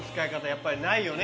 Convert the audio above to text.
やっぱりないよね